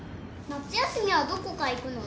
夏休みはどこか行くの？